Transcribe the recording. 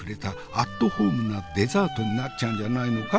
アットホームなデザートになっちゃうんじゃないのか？